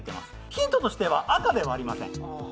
ヒントとしては、赤ではありません。